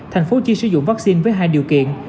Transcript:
tp hcm sử dụng vaccine với hai điều kiện